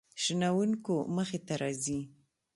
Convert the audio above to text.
شنونکو مخې ته راځي.